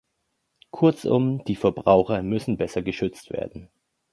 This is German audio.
Kurzum, die Verbraucher müssen besser geschützt werden.